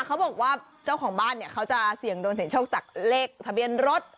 เขาบอกว่าเจ้าของบ้านเนี่ยเขาจะเสี่ยงโดนเสียงโชคจากเลขทะเบียนรถ